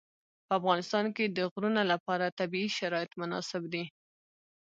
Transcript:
په افغانستان کې د غرونه لپاره طبیعي شرایط مناسب دي.